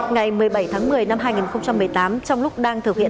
ngày một mươi bảy tháng một mươi năm hai nghìn một mươi tám trong lúc đang thực hiện